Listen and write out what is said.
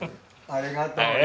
ありがとう。